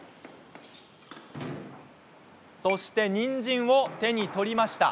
そして、にんじんを手に取りました。